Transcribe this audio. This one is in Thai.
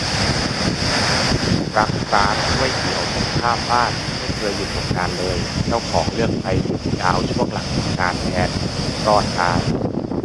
รักร้านก๋วยเตี๋ยวตรงข้ามบ้าน ไม่เคยหยุดสงกรานต์เลย เจ้าของเลือกไปหยุดยาวหลังสงกรานต์แทน รอดตาย